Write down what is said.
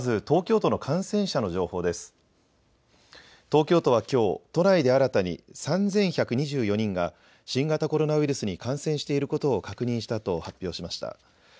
東京都はきょう、都内で新たに３１２４人が、新型コロナウイルスに感染していることを確認したと発表しました。